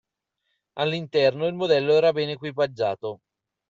All'interno, il modello era ben equipaggiato.